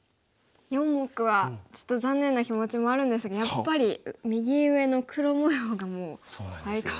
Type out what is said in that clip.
４目はちょっと残念な気持ちもあるんですがやっぱり右上の黒模様がもう最高ですね。